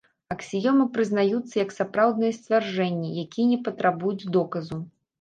Аксіёмы прызнаюцца як сапраўдныя сцверджанні, якія не патрабуюць доказу.